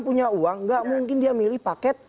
punya uang nggak mungkin dia milih paket